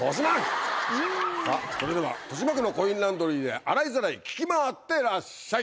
それでは豊島区のコインランドリーで洗いざらい聞き回ってらっしゃい。